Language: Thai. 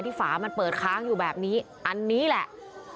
ฝามันเปิดค้างอยู่แบบนี้อันนี้แหละ